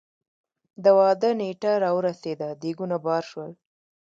د واده نېټه را ورسېده ديګونه بار شول.